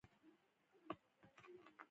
دې وسیلو ته سوداګر ویل کیدل.